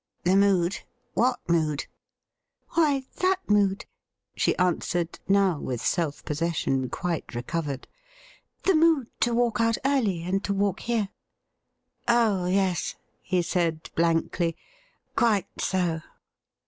' The mood ? What mood ?'' Why, that mood,' she answered, now with self posses sion quite recovered. ' The mood to walk out early, and to walk here.' ' Oh yes,' he said blankly, ' quite so.'